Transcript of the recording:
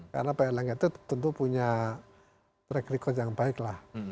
karena pak erlangga itu tentu punya track record yang baik lah